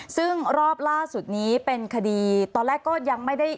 ซึ่งรอบล่าสุดนี้เป็นคดีตอนแรกก็ยังไม่ได้